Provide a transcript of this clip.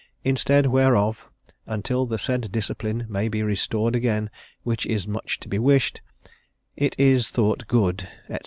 Instead whereof (until the said discipline may be restored again, which is much to be wished), it is thought good," &c.